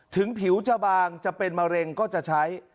ถึงผิวจะบางจะเป็นมะเร็งก็จะใช้